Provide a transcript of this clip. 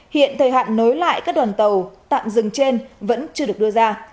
hiện thời hạn nối lại các đoàn tàu tạm dừng trên vẫn chưa được đưa ra